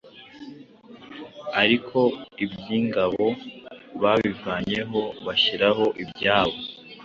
ariko iby'ingabo babivanyeho bashyiraho ibyabo.